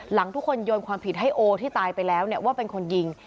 หลังทุกคนโยนความผิดให้โอที่ตายไปแล้วว่าเป็นคนยิง